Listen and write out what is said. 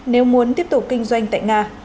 nếu muốn tiếp tục kinh doanh tại nga